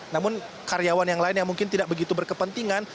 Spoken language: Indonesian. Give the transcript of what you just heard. namun karyawan yang lain yang mungkin tidak begitu berkepentingan